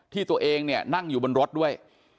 ที่ตัวเองเนี่ยนั่งอยู่บนรถด้วย